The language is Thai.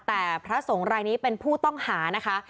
แต่พระสงฆ์รายนี้เป็นผู้ต้องหานะคะ